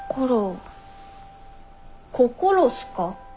心っすか。